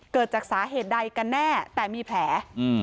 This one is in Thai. เกิดจากสาเหตุใดกันแน่แต่มีแผล